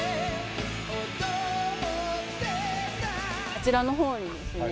あちらの方にですね